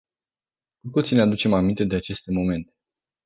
Cu toții ne aducem aminte de aceste momente.